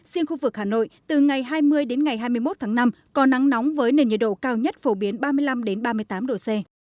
riêng khu vực hà nội từ ngày hai mươi đến ngày hai mươi một tháng năm có nắng nóng với nền nhiệt độ cao nhất phổ biến ba mươi năm ba mươi tám độ c